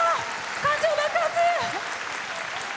感情爆発！